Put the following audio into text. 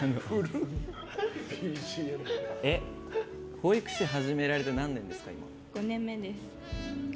保育士始められて何年ですか？